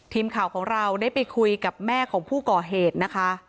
ทีมข่าวของเราได้ไปคุยกับแม่ของผู้ก่อเหตุนะคะ